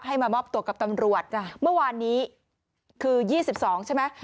มามอบตัวกับตำรวจเมื่อวานนี้คือ๒๒ใช่ไหม